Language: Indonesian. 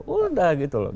udah gitu loh